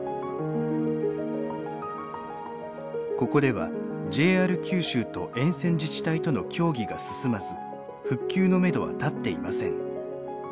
ここではＪＲ九州と沿線自治体との協議が進まず復旧のめどは立っていません。